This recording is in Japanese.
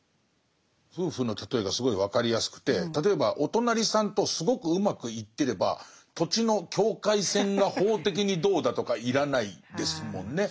夫婦の例えがすごい分かりやすくて例えばお隣さんとすごくうまくいってれば土地の境界線が法的にどうだとか要らないですもんね。